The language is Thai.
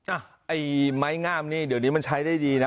อ่ะไอ้ไม้งามนี่เดี๋ยวนี้มันใช้ได้ดีนะ